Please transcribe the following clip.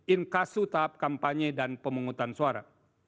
in kasu tahap kampanye dan pemungutan suara